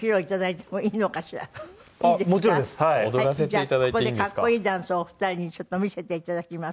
じゃあここでかっこいいダンスをお二人にちょっと見せて頂きます。